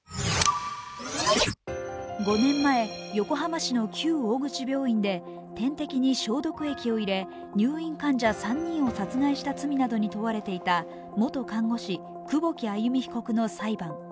５年前、横浜市の旧大口病院で点滴に消毒液を入れ入院患者３人を殺害した罪などに問われていた元看護師・久保木愛弓被告の裁判。